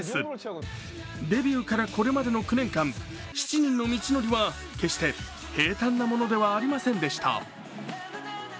デビューからこれまでの９年間、７人の道のりは決して平たんなものではありませんでした。